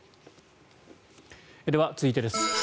では、続いてです。